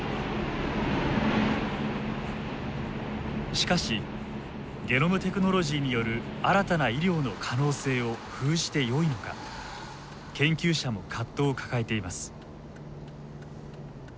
しかしゲノムテクノロジーによる新たな医療の可能性を封じてよいのか研究者も葛藤を抱えています。